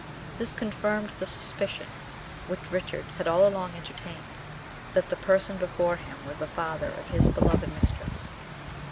This confirmed the suspicion which Richard had all along entertained, that the person before him was the father of his beloved mistress.